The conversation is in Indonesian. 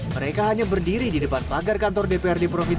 mereka hanya berdiri di depan pagar kantor dprd provinsi